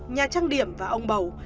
nhà trang điểm và ông bầu